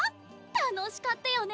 楽しかったよね